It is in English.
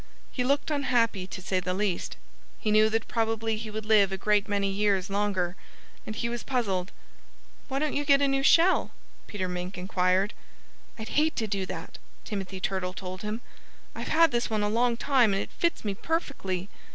He looked unhappy, to say the least. He knew that probably he would live a great many years longer. And he was puzzled. "Why don't you get a new shell?" Peter Mink inquired. "I'd hate to do that," Timothy Turtle told him. "I've had this one a long time; and it fits me perfectly."